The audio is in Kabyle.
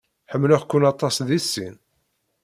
Ḥemmleɣ-ken aṭas di sin.